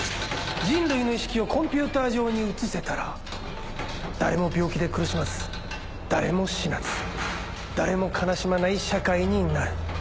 人類の意識をコンピューター上に移せたら誰も病気で苦しまず誰も死なず誰も悲しまない社会になる。